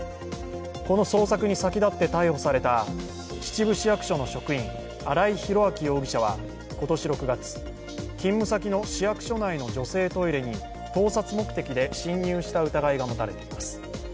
この捜索に先立って逮捕された秩父市役所の職員・新井宏明容疑者は今年６月、勤務先の市役所内の女性トイレに盗撮目的で侵入した疑いが持たれています。